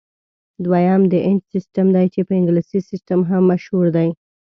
دویم د انچ سیسټم دی چې په انګلیسي سیسټم هم مشهور دی.